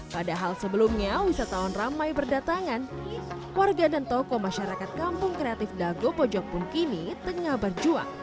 padahal sebelumnya wisatawan ramai berdatangan warga dan toko masyarakat kampung kreatif dago pojok pun kini tengah berjuang